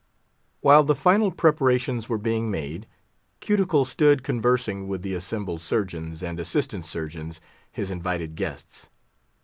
While the final preparations were being made, Cuticle stood conversing with the assembled Surgeons and Assistant Surgeons, his invited guests.